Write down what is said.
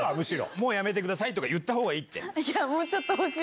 もうやめてください！とか言ったほうがいいって。